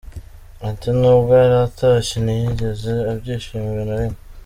Ati “Nubwo yari atashye, ntiyigeze abyishimira na rimwe.